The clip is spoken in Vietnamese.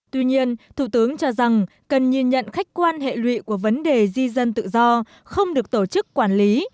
tuy nhiên thủ tướng cho rằng cần nhìn nhận khách quan hệ lụy của vấn đề di dân tự do không được tổ chức quản lý